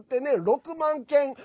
６万件。